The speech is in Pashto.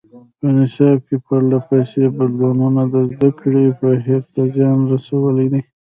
په نصاب کې پرله پسې بدلونونو د زده کړې بهیر ته زیان رسولی دی.